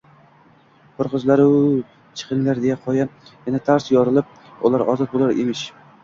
«Hur qizlar-u-u! Chiqinglar desa qoya yana tars yorilib ular ozod boʼlar emish.